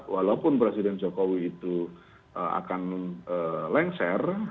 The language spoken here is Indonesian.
walaupun presiden jokowi itu akan lengser